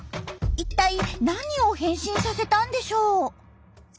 一体何を変身させたんでしょう？